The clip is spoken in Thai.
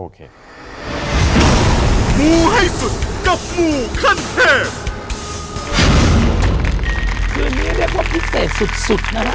เรียกว่าพิเศษสุดนะฮะ